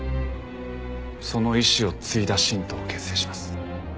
その意志を継いだ新党を結成します。